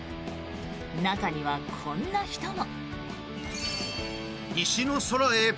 中には、こんな人も。